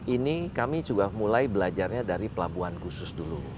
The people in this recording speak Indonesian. ini kami juga mulai belajarnya dari pelabuhan khusus dulu